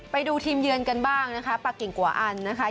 ไปดูทีมเยือนกันบ้างนะคะปากกิ่งกว่าอันนะคะ